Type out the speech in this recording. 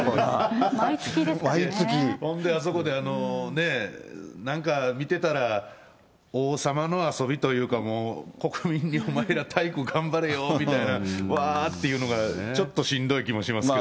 ほんであそこでね、なんか見てたら王様の遊びというか、国民に、お前ら体育頑張れよみたいな、わーっていうのがちょっとしんどい気もしますけど。